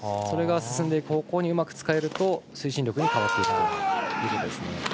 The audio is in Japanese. それが進んでいく方向にうまく使えると推進力に変わっていく。